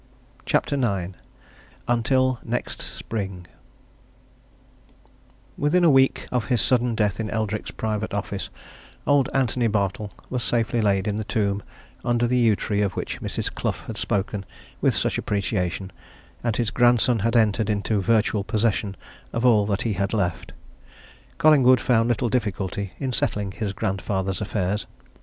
CHAPTER IX UNTIL NEXT SPRING Within a week of his sudden death in Eldrick's private office, old Antony Bartle was safely laid in the tomb under the yew tree of which Mrs. Clough had spoken with such appreciation, and his grandson had entered into virtual possession of all that he had left. Collingwood found little difficulty in settling his grandfather's affairs.